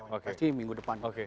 pasti minggu depan